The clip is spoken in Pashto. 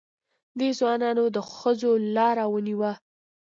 دې ځوانانو د ښځو لاره ونیوه.